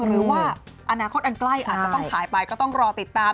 หรือว่าอนาคตอันใกล้อาจจะต้องหายไปก็ต้องรอติดตาม